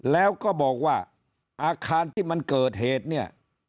แล้วก็บอกว่าอาคารที่มันเกิดเหตุเนี่ย